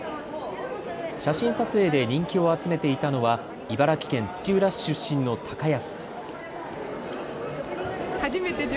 写真撮影で人気を集めていたのは茨城県土浦市出身の高安。